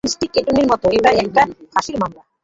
District এটর্নির মতে এটা একটা ফাঁসির মামলা।